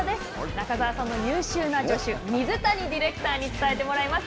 中澤さんの優秀な助手水谷ディレクターに伝えてもらいます。